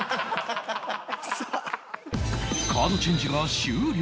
カードチェンジが終了